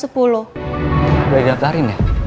boleh di daftarin ya